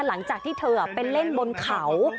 หลังจากที่เธอไปเล่นบนเขา